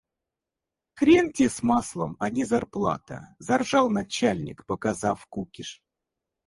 «Хрен те с маслом, а не зарплата!» — заржал начальник, показав кукиш.